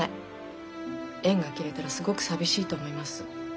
縁が切れたらすごく寂しいと思います。